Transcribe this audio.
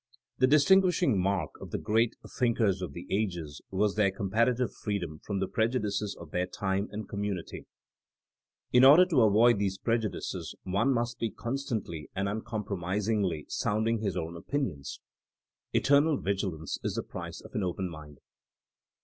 The distinguishing mark of the great, think ers of the ages was their comparative freedom from the prejudices of their time and commu nity. In order to avoid these prejudices one must be constantly and uncompromisingly 120 TmNEING AS A SCIENCE sounding his own opinions. Eternal vigilance is the price of an open mind.